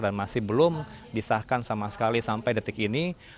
dan masih belum disahkan sama sekali sampai detik ini